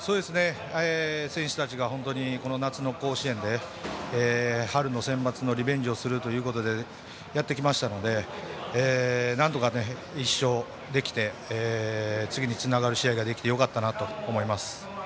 選手たちがこの夏の甲子園で春のセンバツのリベンジをするということでやってきましたのでなんとか１勝できて次につながる試合ができてよかったと思います。